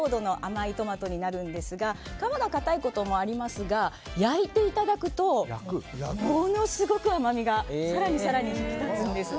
糖度の高いトマトになるんですが皮が硬いこともありますが焼いていただくとものすごく甘みが更に更に引き立つんです。